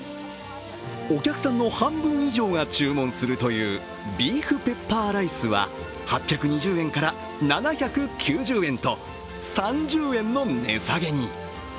お客さんの半分以上が注文するというビーフペッパーライスは８２０円から７９０円と３０円の値下げに。